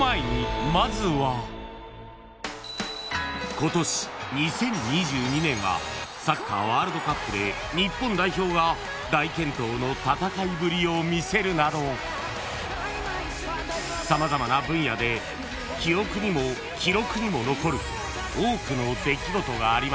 ［今年２０２２年はサッカーワールドカップで日本代表が大健闘の戦いぶりを見せるなど様々な分野で記憶にも記録にも残る多くの出来事がありました］